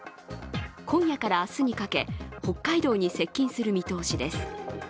今夜から明日にかけ、北海道に接近する見通しです。